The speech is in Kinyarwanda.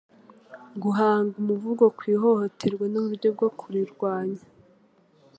Guhanga umuvugo ku ihohoterwa n'uburyo bwo kurirwanya.